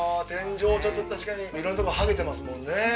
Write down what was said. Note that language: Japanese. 天井ちょっと確かに色んなとこハゲてますもんね